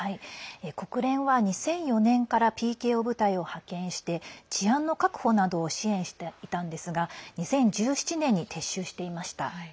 国連は２００４年からＰＫＯ部隊を派遣して治安の確保などを支援していたんですが２０１７年に撤収していました。